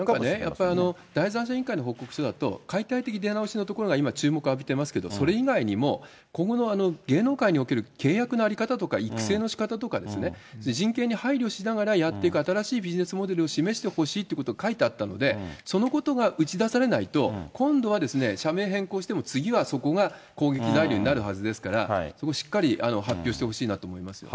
やっぱり、第三者委員会の報告書だと、解体的出直しのところが今、注目を浴びてますけれども、それ以外にも、今後の芸能界における契約の在り方とか、育成のしかたですとかね、人権に配慮しながらやっていく新しいビジネスモデルを示してほしいということを書いてあったので、そのことが打ち出されないと、今度は社名を変更しても、次はそこが攻撃材料になるはずですから、しっかり発表してほしいなと思いますよね。